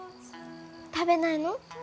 食べないの？